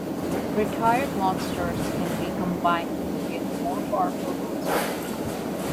Retired monsters can be combined to create more powerful monsters.